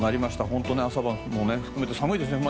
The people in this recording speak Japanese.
本当、朝晩も含めて寒いですね。